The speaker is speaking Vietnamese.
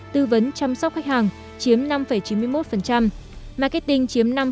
tư vấn chăm sóc khách hàng marketing